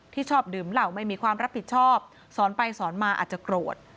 ชอบดื่มเหล่าไม่มีความรับผิดชอบสอนไปสอนมาอาจจะโกรธ